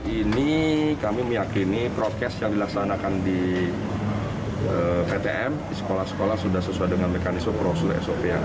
ini kami meyakini prokes yang dilaksanakan di ptm di sekolah sekolah sudah sesuai dengan mekanisme sop